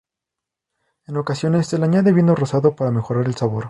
En ocasiones se le añade vino rosado para mejorar el sabor.